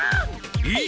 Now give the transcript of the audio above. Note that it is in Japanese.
えっ！？